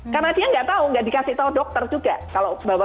karena dia nggak tahu nggak dikasih tahu dokter juga